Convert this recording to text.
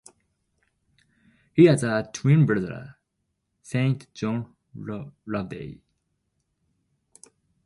He has a twin brother, Saint John Loveday.